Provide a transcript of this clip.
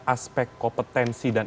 aspek kompetensi dan